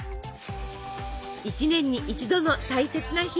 一年に一度の大切な日。